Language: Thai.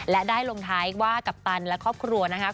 และได้ลงท้ายว่ากัปตันและครอบครัวนะครับ